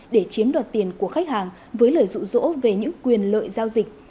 để chiếm đoạt tiền của khách hàng với lời rụ rỗ về những quyền lợi giao dịch